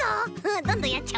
どんどんやっちゃお。